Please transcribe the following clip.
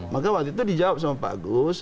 maka waktu itu dijawab sama pak agus